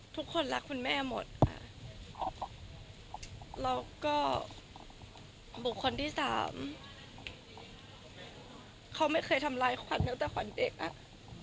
ทุกคนรักคุณแม่หมดเราก็่บุคคลนที่๓เขาไม่เคยทำร้ายขวัญเหมือนกับก็ควัญเด็กเลย